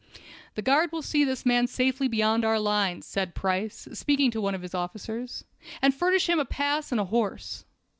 "The guard will see this man safely beyond our lines," said Price, speaking to one of his officers, "and furnish him a pass and a horse.